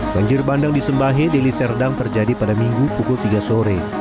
banjir bandang di sembahe deli serdang terjadi pada minggu pukul tiga sore